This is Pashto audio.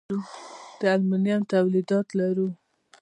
د المونیم تولیدات لرو؟